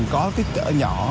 có kích cỡ nhỏ